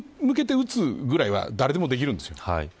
向けて撃つぐらいは誰でもできるんですよ。